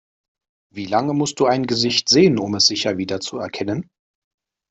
Wie lange musst du ein Gesicht sehen, um es sicher wiederzuerkennen?